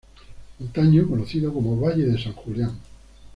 Antaño conocido como "valle de San Julián".